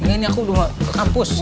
ini aku udah mau ke kampus